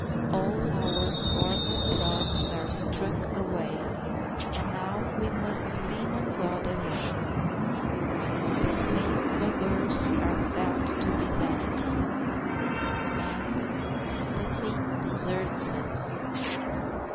All our former props are struck away, and now we must lean on God alone. The things of earth are felt to be vanity. Man's sympathy deserts us.